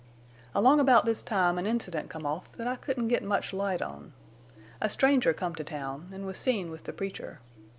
"Along about this time an incident come off that I couldn't get much light on. A stranger come to town, an' was seen with the preacher.